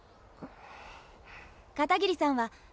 片桐さんは。